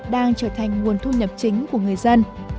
đang trở thành nguồn thu nhập chính của người dân